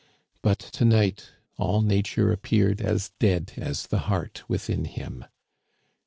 But to night all Nature appeared as dead as the heart within him.